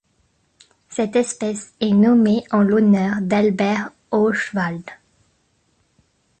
Cette espèce est nommée en l'honneur d'Albert O'Swald.